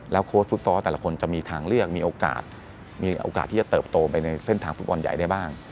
โค้ชฟุตซอลแต่ละคนจะมีทางเลือกมีโอกาสมีโอกาสที่จะเติบโตไปในเส้นทางฟุตบอลใหญ่ได้บ้าง